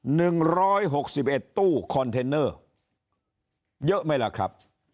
หนึ่งร้อยหกสิบเอ็ดตู้คอนเทนเนอร์เยอะไหมล่ะครับ